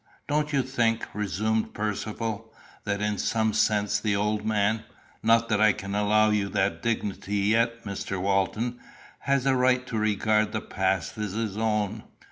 "Don't you think," resumed Percivale, "that in some sense the old man not that I can allow you that dignity yet, Mr. Walton has a right to regard the past as his own?"